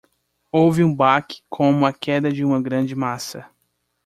Houve um baque como a queda de uma grande massa.